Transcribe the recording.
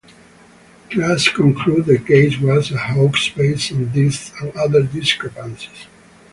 Klass concluded the case was a hoax based on these and other discrepancies.